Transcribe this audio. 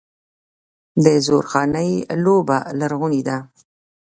د زورخانې لوبه لرغونې ده.